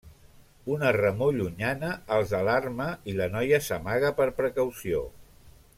Una remor llunyana els alarma i la noia s'amaga per precaució.